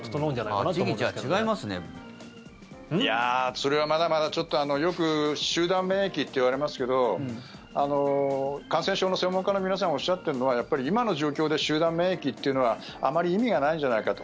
それは、まだまだちょっとよく集団免疫っていわれますけど感染症の専門家の皆さんがおっしゃっているのはやっぱり今の状況で集団免疫っていうのはあまり意味がないんじゃないかと。